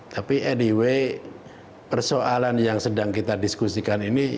tapi anyway persoalan yang sedang kita diskusikan ini